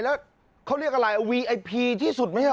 แล้วเขาเรียกอะไรวีไอพีที่สุดไหมล่ะ